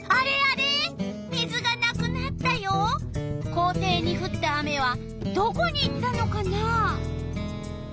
校庭にふった雨はどこに行ったのかな？